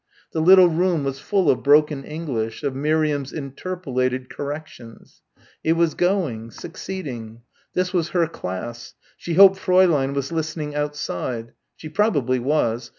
The little room was full of broken English, of Miriam's interpolated corrections. It was going succeeding. This was her class. She hoped Fräulein was listening outside. She probably was.